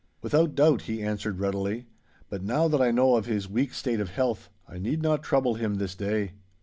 'Without doubt,' he answered readily; 'but now that I know of his weak state of health, I need not trouble him this day!